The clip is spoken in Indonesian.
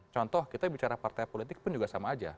contoh kita bicara partai politik pun juga sama aja